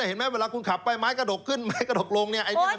เห็นไหมเวลาคุณขับไปไม้กระดกขึ้นไม้กระดกลงเนี่ย